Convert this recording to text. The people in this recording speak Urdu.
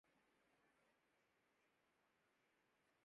یا رب میرے سوئے ہوئے دوست کو جگا دے۔ بستر ہے اس کا نرم تو پتھر کا بنا دے